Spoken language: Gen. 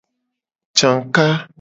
Caka.